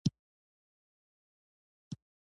کتاب نوم التطور و الثبات دی.